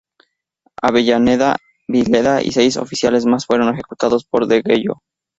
Avellaneda, Vilela y seis oficiales más fueron ejecutados por degüello.